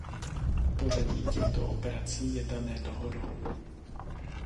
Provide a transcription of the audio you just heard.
Pořadí těchto operací je dané dohodou.